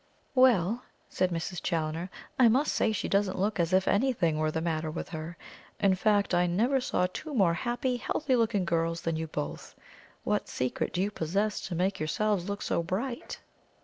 "Well!" said Mrs. Challoner; "I must say she doesn't look as if anything were the matter with her. In fact, I never saw two more happy, healthy looking girls than you both. What secret do you possess to make yourselves look so bright?"